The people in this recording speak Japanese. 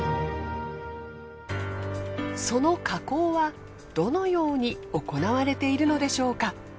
その加工はどのように行われているのでしょうか？